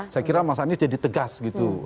saya kira mas anies jadi tegas gitu